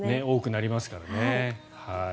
多くなりますからね。